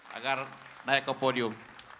agar naik ke podium